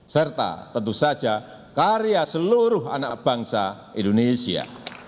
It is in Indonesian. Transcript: serta tentu saja karya seluruh anak bangsa indonesia